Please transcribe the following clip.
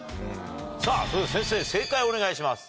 さぁそれでは先生正解をお願いします。